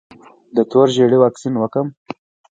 د تور ژیړي واکسین وکړم؟